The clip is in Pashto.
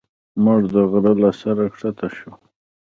موږ د غره له سره ښکته شوو.